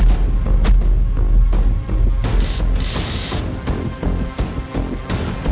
อ่าคุณผู้ชมไม่แน่ใจนะคะว่าได้ติดตามค้าวิทยาลัยภาษาอังกฤษนะครับ